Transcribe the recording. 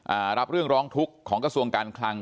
อ่ารับเรื่องร้องทุกข์ของกระทรวงการคลัง